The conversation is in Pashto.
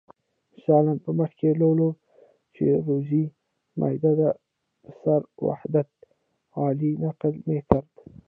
مثلاً په مخ کې لولو چې روزي میاداد پسر وحدت علي نقل میکرد.